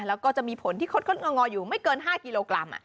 แล้วก็จะมีผลที่คดงออยู่ไม่เกิน๕กิโลกรัม